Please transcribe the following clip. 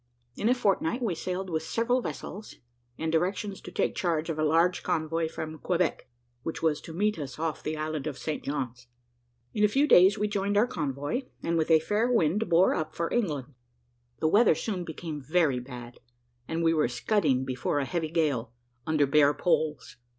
In a fortnight we sailed with several vessels, and directions to take charge of a large convoy from Quebec, which was to meet us off the island of St. John's. In a few days we joined our convoy, and with a fair wind bore up for England. The weather soon became very bad, and we were scudding before a heavy gale, under bare poles.